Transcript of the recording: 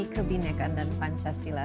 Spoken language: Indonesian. kebinaikan dan pancasila